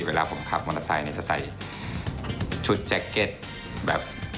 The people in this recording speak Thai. เวลาผมขับมอเตอร์ไซค์เนี่ยจะใส่ชุดแจ็คเก็ตแบบ